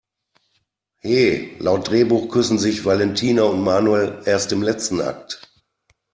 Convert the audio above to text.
He, laut Drehbuch küssen sich Valentina und Manuel erst im letzten Akt!